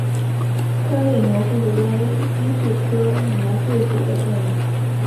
颗粒牛蛭为医蛭科牛蛭属的动物。